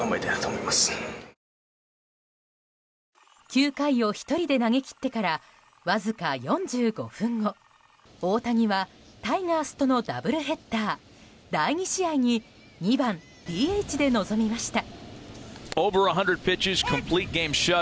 ９回を１人で投げ切ってからわずか４５分後大谷はタイガースとのダブルヘッダー第２試合に２番ＤＨで臨みました。